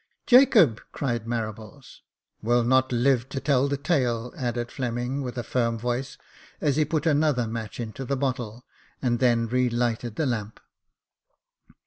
" Jacob !" cried Marables. " Will not live to tell the tale," added Fleming, with a firm voice, as he put another match into the bottle, and then re lighted the lamp.